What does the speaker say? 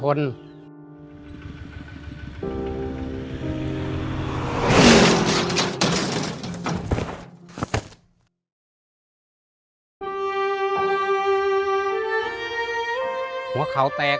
หัวเข่าแต่ละมันกลายเป็นแบบนี้